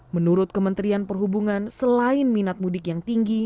menurut kementerian perhubungan selain minat mudik yang tinggi